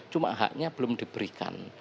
cuma haknya belum diberikan